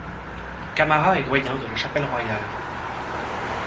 Câmara est doyen de la chapelle royale.